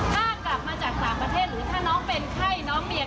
ถ้ากลับมาจากต่างประเทศหรือถ้าน้องเป็นไข้น้องเมีย